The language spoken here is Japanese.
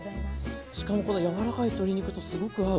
しかもこの柔らかい鶏肉とすごく合う。